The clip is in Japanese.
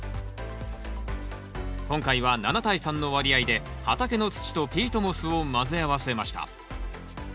今回は７対３の割合で畑の土とピートモスを混ぜ合わせました。